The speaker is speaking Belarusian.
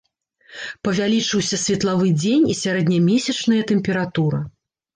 Павялічыўся светлавы дзень і сярэднямесячная тэмпература.